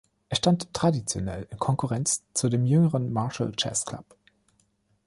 Er stand traditionell in Konkurrenz zu dem jüngeren Marshall Chess Club.